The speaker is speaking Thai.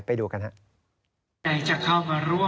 ไปดูกันฮะ